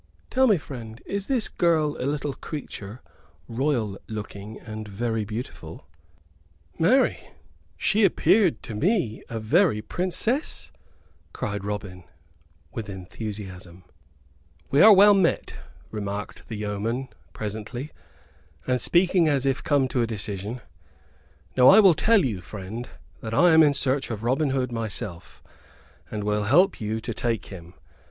"Tell me, friend, is this girl a little creature, royal looking and very beautiful?" "Marry, she appeared to me a very Princess," cried Robin, with enthusiasm. "We are well met," remarked the yeoman, presently, and speaking as if come to a decision. "Now I will tell you, friend, that I am in search of Robin Hood myself, and will help you to take him.